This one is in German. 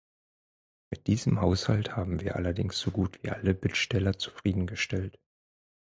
Mit diesem Haushalt haben wir allerdings so gut wie alle Bittsteller zufrieden gestellt.